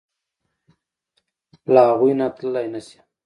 له هغوی نه تللی نشې.